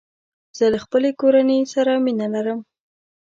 زه له خپلې کورني سره مینه لرم.